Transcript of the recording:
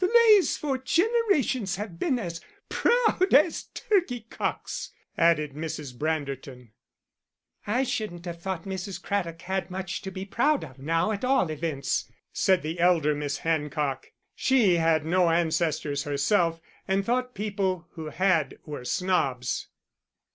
"The Leys for generations have been as proud as turkey cocks," added Mrs. Branderton. "I shouldn't have thought Mrs. Craddock had much to be proud of now, at all events," said the elder Miss Hancock; she had no ancestors herself, and thought people who had were snobs.